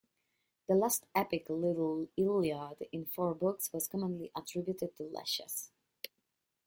The lost epic "Little Iliad", in four books, was commonly attributed to Lesches.